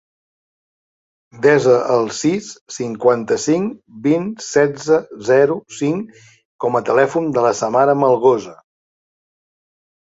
Desa el sis, cinquanta-cinc, vint, setze, zero, cinc com a telèfon de la Samara Melgosa.